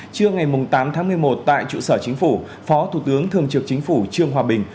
trưa ngày tám tháng một mươi một tại trụ sở chính phủ phó thủ tướng thường trực chính phủ trương hòa bình